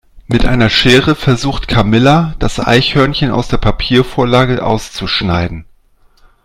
Mit einer Schere versucht Camilla das Eichhörnchen aus der Papiervorlage auszuschneiden.